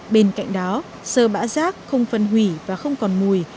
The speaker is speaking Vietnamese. bên cạnh đó sơ bã rác không phân hủy và không còn mùi